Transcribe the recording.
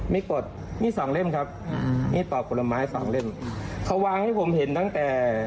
มีกดมีดสองเล่มครับอ่ามีดปอกผลไม้สองเล่มเขาวางให้ผมเห็นตั้งแต่